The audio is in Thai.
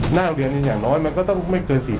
หน้าโรงเรียนอย่างน้อยมันก็ต้องไม่เกิน๔๐